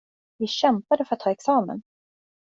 Vi kämpade för att ta examen.